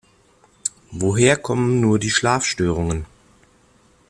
Woher kommen nur die Schlafstörungen?